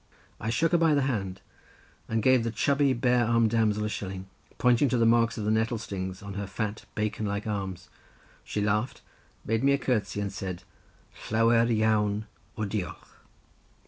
I shook her by the hand, and gave the chubby bare armed damsel a shilling, pointing to the marks of the nettle stings on her fat bacon like arms; she laughed, made me a curtsey and said, "Llawer iawn o diolch."